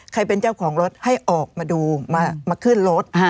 เป็นเจ้าของรถให้ออกมาดูมาขึ้นรถ